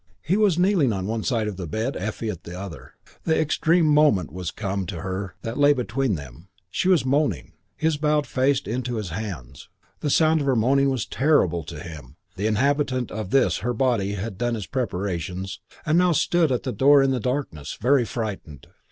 He was kneeling on one side of the bed, Effie at the other. The extreme moment was come to her that lay between them. She was moaning. He bowed his face into his hands. The sound of her moaning was terrible to him. That inhabitant of this her body had done its preparations and now stood at the door in the darkness, very frightened.